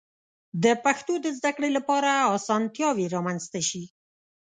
د پښتو د زده کړې لپاره آسانتیاوې رامنځته شي.